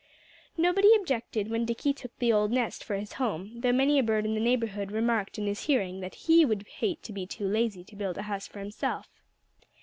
Nobody objected when Dickie took the old nest for his home, though many a bird in the neighborhood remarked in his hearing that he would hate to be too lazy to build a house for himself.